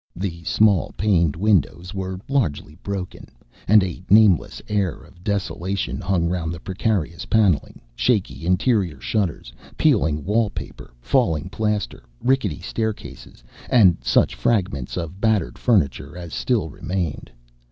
The small paned windows were largely broken, and a nameless air of desolation hung round the precarious panelling, shaky interior shutters, peeling wall paper, falling plaster, rickety staircases, and such fragments of battered furniture as still remained.